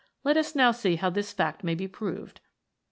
Let us now see how this fact may be proved.